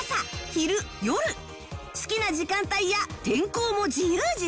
昼夜好きな時間帯や天候も自由自在！